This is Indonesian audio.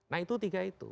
nah itu tiga itu